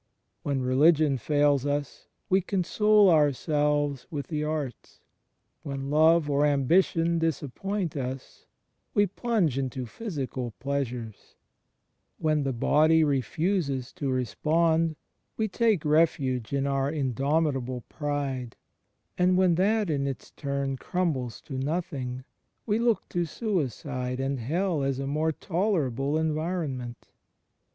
When religion fails us, we console ourselves with the arts; when love or ambition disappoint us, we plunge into physical pleasures; when the body refuses to respond, we take refuge in our indomitable pride; and when that in its turn crumbles to nothing, we look to suicide and hell as a more tolerable environment.